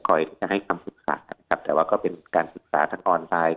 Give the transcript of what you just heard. ที่จะให้คำปรึกษานะครับแต่ว่าก็เป็นการปรึกษาทางออนไลน์